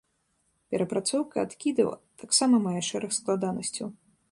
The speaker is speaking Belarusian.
Перапрацоўка адкідаў таксама мае шэраг складанасцяў.